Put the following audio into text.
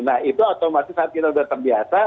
nah itu otomatis saat kita sudah terbiasa